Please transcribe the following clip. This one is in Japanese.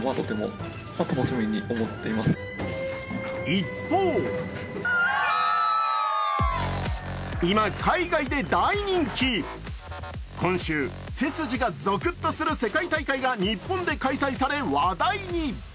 一方今海外で大人気、今週、背筋がぞくっとする世界大会が日本で開催され、話題に。